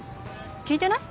聞いてない？